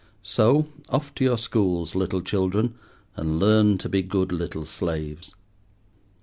So, off to your schools, little children, and learn to be good little slaves.